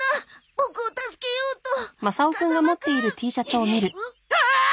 ボクを助けようと風間くん。ああーっ！